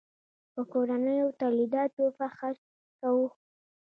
په کورنیو تولیداتو فخر کوو.